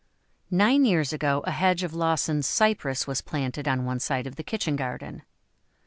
Nine years ago a hedge of Lawson's Cypress was planted on one side of the kitchen garden.